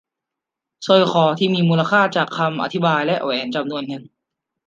สร้อยคอที่มีมูลค่า จากคำอธิบายและแหวนจำนวนหนึ่ง